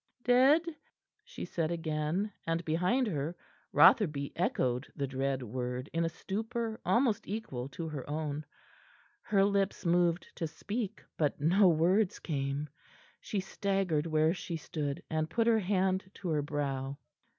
"Dead?" she said again, and behind her, Rotherby echoed the dread word in a stupor almost equal to her own. Her lips moved to speak, but no words came. She staggered where she stood, and put her hand to her brow.